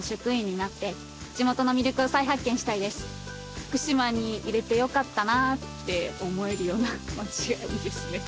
福島にいれてよかったなって思えるような街がいいですね。